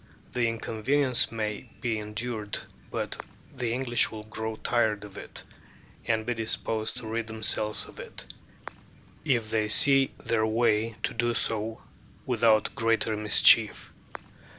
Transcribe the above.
The inconvenience may be endured, but the English will grow tired of it, and be disposed to rid themselves of it, if they see their way to do so without greater mischief.